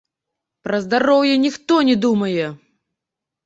Пра здароўе ніхто не думае!